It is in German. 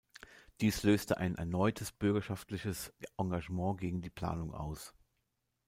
Dies löste ein erneutes bürgerschaftliches Engagement gegen die Planung aus.